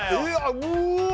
うわ！